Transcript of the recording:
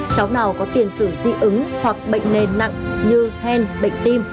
cháu nào có tiền sự di ứng hoặc bệnh nền nặng như hèn bệnh tim